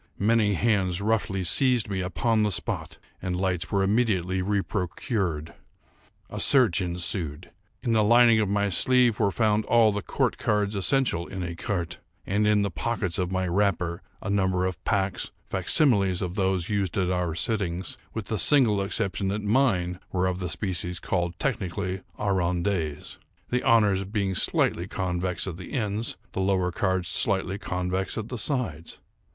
Many hands roughly seized me upon the spot, and lights were immediately reprocured. A search ensued. In the lining of my sleeve were found all the court cards essential in écarté, and, in the pockets of my wrapper, a number of packs, facsimiles of those used at our sittings, with the single exception that mine were of the species called, technically, arrondees; the honours being slightly convex at the ends, the lower cards slightly convex at the sides.